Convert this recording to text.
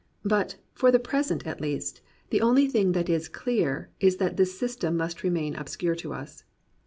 But, for the present at least, the only thing that is clear is that this systenx must remain obscure to us.